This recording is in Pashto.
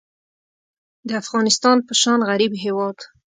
د افغانستان په شان غریب هیواد